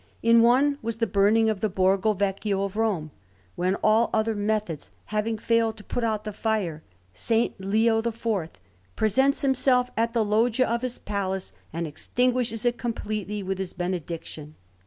In one was the Burning of the Borgo Vecchio of Rome, when, all other methods having failed to put out the fire, S. Leo IV presents himself at the Loggia of his Palace and extinguishes it completely with his benediction.